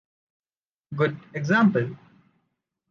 Good example